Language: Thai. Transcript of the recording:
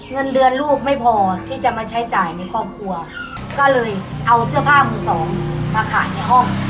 เงินเดือนลูกไม่พอที่จะมาใช้จ่ายในครอบครัวก็เลยเอาเสื้อผ้ามือสองมาขายในห้อง